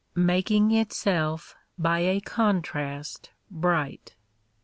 Making itself by a contrast bright.